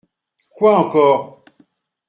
Quoi encore ?